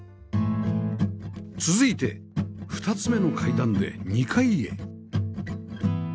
続いて２つ目の階段で２階へ